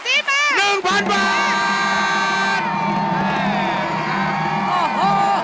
หนึ่งพันบาท